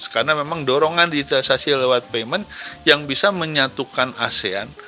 karena memang dorongan digitalisasi lewat payment yang bisa menyatukan asean